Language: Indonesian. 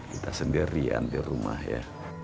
kita sendirian di rumah ya